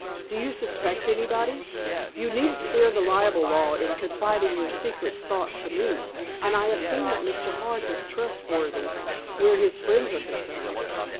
"Do you suspect anybody? You needn't fear the libel law in confiding your secret thought to me, and I assume that Mr. Hart is trustworthy—where his friends are concerned?"